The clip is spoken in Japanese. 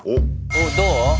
おっどう？